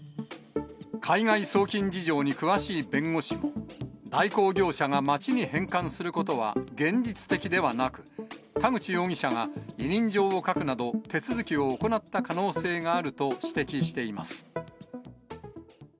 海外送金事情に詳しい弁護士は、代行業者が町に返還することは現実的ではなく、田口容疑者が委任状を書くなど、手続きを行った可能性があると指摘しています。